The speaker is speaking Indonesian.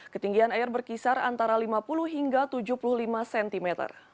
ketinggian air berkisar antara lima puluh hingga tujuh puluh lima cm